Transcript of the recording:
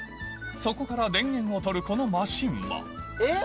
そこから電源を取るこのマシンはえっ！